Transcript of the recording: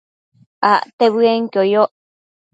Acte bëenquio yoc